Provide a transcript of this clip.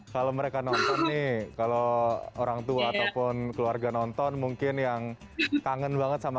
kalau mereka nonton nih kalau orang tua ataupun keluarga nonton mungkin yang kangen banget sama